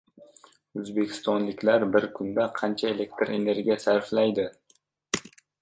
O‘zbekistonliklar bir kunda qancha elektr energiya sarflaydi?